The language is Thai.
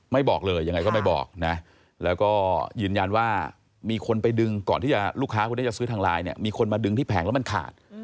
บอกเลยยังไงก็ไม่บอกนะแล้วก็ยืนยันว่ามีคนไปดึงก่อนที่ลูกค้าคนนี้จะซื้อทางไลน์เนี่ยมีคนมาดึงที่แผงแล้วมันขาด